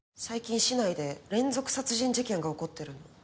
最近市内で連続殺人事件が起こってるの。